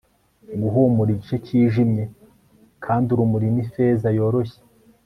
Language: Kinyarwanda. guhumura igice cyijimye. kandi urumuri ni feza yoroshye